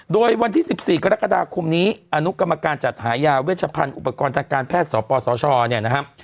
โดยวันที่๑๔กรกฎาคมนี้อนุกรรมการจัดหายาเวชพันธ์อุปกรณ์ทางการแพทย์สปสชเนี่ยนะครับ